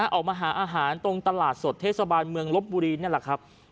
ออกมาหาอาหารตรงตลาดสดเทศบาลเมืองลบบุรีนั่นแหละครับ